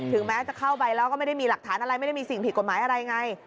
แม้จะเข้าไปแล้วก็ไม่ได้มีหลักฐานอะไรไม่ได้มีสิ่งผิดกฎหมายอะไรไง